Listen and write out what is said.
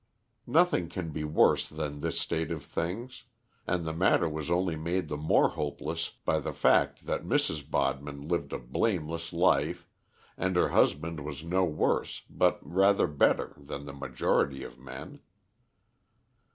Nothing can be worse than this state of things, and the matter was only made the more hopeless by the fact that Mrs. Bodman lived a blameless life, and her husband was no worse, but rather better, than the majority of men.